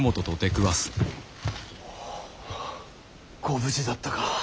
ご無事だったか。